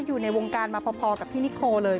อยู่ในวงการมาพอกับพี่นิโคเลย